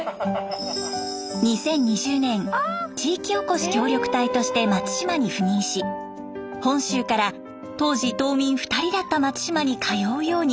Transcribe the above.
２０２０年地域おこし協力隊として松島に赴任し本州から当時島民２人だった松島に通うように。